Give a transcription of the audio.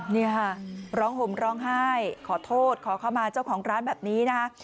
นี่ค่ะร้องห่มร้องไห้ขอโทษขอเข้ามาเจ้าของร้านแบบนี้นะคะ